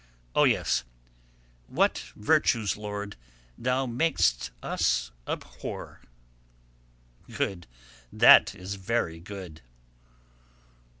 Oh, yes: What virtues, Lord, Thou makest us abhor! Good, that is, very good."